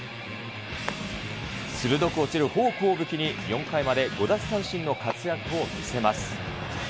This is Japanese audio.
鋭く落ちるフォークを武器に４回まで５奪三振の活躍を見せます。